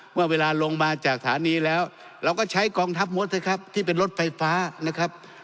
เวลาลงมาจากสถานีแล้วเราก็ใช้กองทัพมดเถอะครับที่เป็นรถไฟฟ้านะครับ